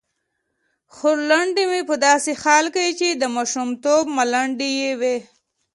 خورلنډې مې په داسې حال کې چې د ماشومتوب ملنډې یې وې.